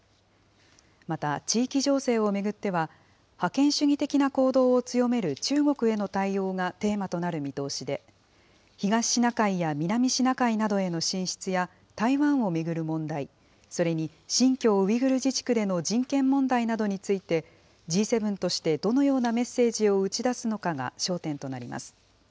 また、地域情勢を巡っては、覇権主義的な行動を強める中国への対応がテーマとなる見通しで、東シナ海や南シナ海などへの進出や、台湾を巡る問題、それに新疆ウイグル自治区での人権問題などについて、Ｇ７としてどのようなメッセージを打ち出すのかが焦点となります。